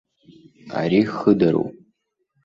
Ари хыдароуп.